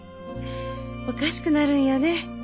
おかしくなるんやね。